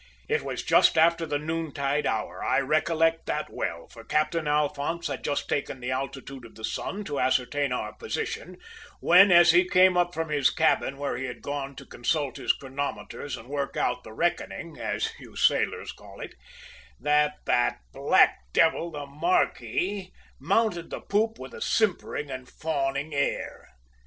"It was just after the noontide hour, I recollect that well, for Captain Alphonse had just taken the altitude of the sun to ascertain our position, when, as he came up from his cabin where he had gone to consult his chronometers and work out `the reckoning,' as you sailors call it, that that black devil the `marquis' mounted the poop with a simpering and fawning air.